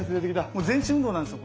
もう全身運動なんですよ。